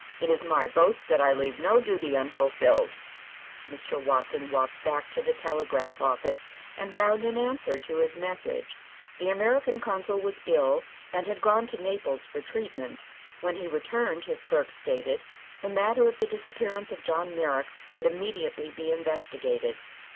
It is my boast that I leave no duty unfulfilled." Mr. Watson walked back to the telegraph office and found an answer to his message. The American consul was ill and had gone to Naples for treatment. When he returned, his clerk stated, the matter of the disappearance of John Merrick would immediately be investigated.